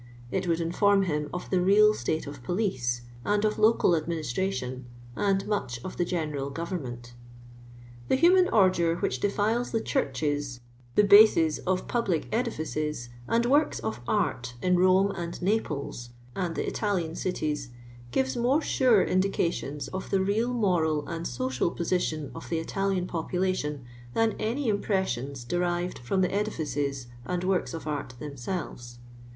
It would inform Iiim of the real state of pulice, and of local admini:»tr.itii>n, ai.d much of the general governnunl. •* 'Ihe human ordure which drtilcs the churelios, the Imtieii «)f pulilic rditii es and works of art in liomc and Naples, and the Italian cities, gives more sure iiulicat:ons of the renl monil and social jwi^ition of the Italian population than any im pressions derived from the edifices and works of art t)ieni»elves.